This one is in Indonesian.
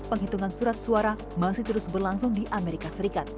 penghitungan surat suara masih terus berlangsung di amerika serikat